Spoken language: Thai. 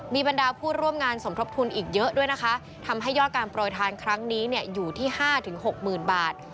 มีบรรดาผู้ร่วมงานสมทบทุนอีกเยอะด้วยนะคะทำให้ยอดการโปรยทานครั้งนี้เนี่ยอยู่ที่๕๖๐๐๐บาท